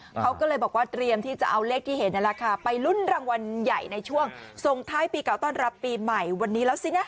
เขาก็เลยบอกว่าเตรียมที่จะเอาเลขที่เห็นนั่นแหละค่ะไปลุ้นรางวัลใหญ่ในช่วงส่งท้ายปีเก่าต้อนรับปีใหม่วันนี้แล้วสินะ